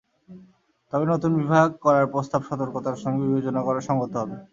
তবে নতুন বিভাগ করার প্রস্তাব সতর্কতার সঙ্গে বিবেচনা করা সংগত হবে।